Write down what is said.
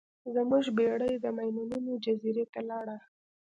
زموږ بیړۍ د میمونونو جزیرې ته لاړه.